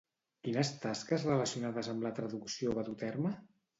Quines tasques relacionades amb la traducció va dur a terme?